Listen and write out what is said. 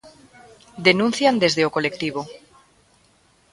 Denuncian desde o colectivo.